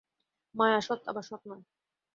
মায়া সৎ, আবার সৎ নয়।